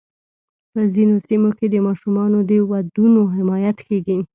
په ځینو سیمو کې د ماشومانو د ودونو حمایت کېږي.